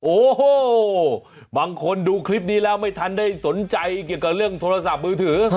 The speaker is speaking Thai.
โอ้โหบางคนดูคลิปนี้แล้วไม่ทันได้สนใจเกี่ยวกับเรื่องโทรศัพท์มือถือ